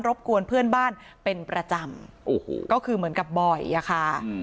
บกวนเพื่อนบ้านเป็นประจำโอ้โหก็คือเหมือนกับบ่อยอะค่ะ